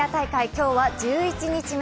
今日は１１日目。